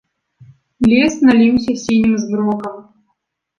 Лес наліўся сінім змрокам.